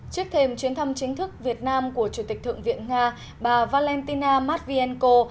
trước thêm chuyến thăm chính thức việt nam của chủ tịch thượng viện nga bà valentina matvienko